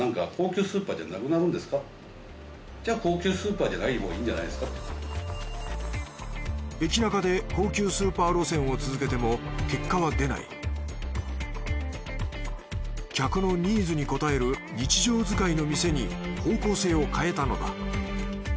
橋がまず驚いたのが駅ナカで高級スーパー路線を続けても結果は出ない客のニーズに応える日常使いの店に方向性を変えたのだ。